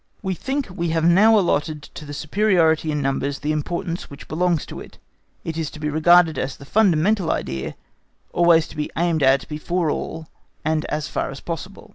We think we have now allotted to the superiority in numbers the importance which belongs to it; it is to be regarded as the fundamental idea, always to be aimed at before all and as far as possible.